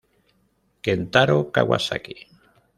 Kentaro Kawasaki